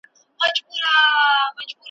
وئېل ئې څو کم سنه دي، لۀ قافه را روان دي .